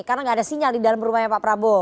karena enggak ada sinyal di dalam rumahnya pak prabowo